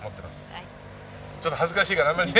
ちょっと恥ずかしいからあんまりね